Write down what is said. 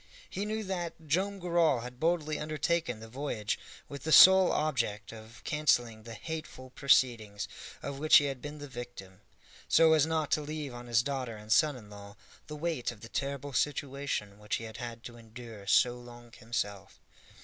He knew that Joam Garral had boldly undertaken the voyage with the sole object of canceling the hateful proceedings of which he had been the victim, so as not to leave on his daughter and son in law the weight of the terrible situation which he had had to endure so long himself.